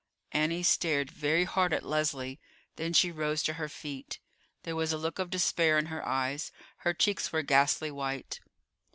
Annie stared very hard at Leslie; then she rose to her feet. There was a look of despair in her eyes; her cheeks were ghastly white.